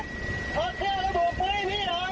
น้องจะหนีไปได้นะเดี๋ยวเขาเอาเครื่องมารับน้อง